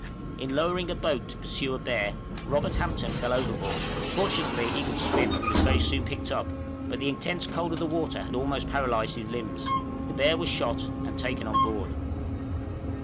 In lowering a boat to pursue a bear, Robert Hampton fell overboard; fortunately he could swim, and was very soon picked up, but the intense cold of the water had almost paralyzed his limbs. The bear was shot and taken on board.